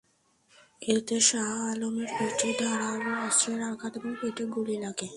এতে শাহ আলমের পিঠে ধারালো অস্ত্রের আঘাত এবং পেটে গুলি লাগে।